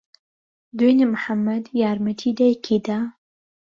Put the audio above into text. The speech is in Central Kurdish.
دوێنێ محەممەد یارمەتی دایکی دا؟